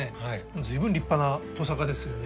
随分立派なトサカですよね。